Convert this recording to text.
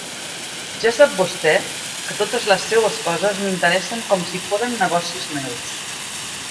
Ja sap vostè que totes les seues coses m'interessen com si foren negocis meus.